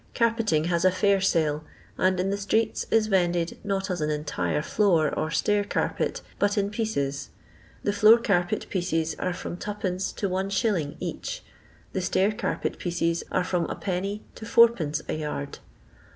Carpeting has a fair sale, and in the streets is vended not as an entire floor or stair carpet, but in pieces. The floor carpet pieces are from 2d. to Is. each ; the stair carpet pieces are from Id. to id. a yard.